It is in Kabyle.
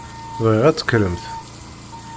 Bɣiɣ ad tekkremt.